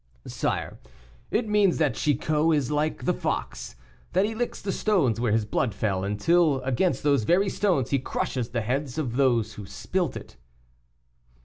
"Sire, it means that Chicot is like the fox that he licks the stones where his blood fell, until against those very stones he crushes the heads of those who spilt it."